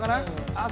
あっ！